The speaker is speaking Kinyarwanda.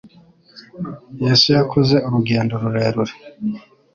Yesu yakoze urugendo rurerure